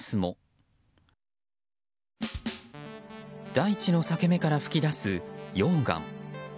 大地の裂け目から噴き出す溶岩。